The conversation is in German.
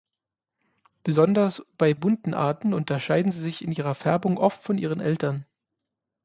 Besonders bei bunten Arten unterscheiden sie sich in ihrer Färbung oft von ihren Eltern.